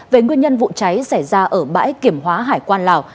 về nguyên nhân vụ cháy xảy ra ở bãi kiểm hóa hải quan lào